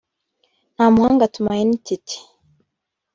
Ntamuhanga Tumaine Titi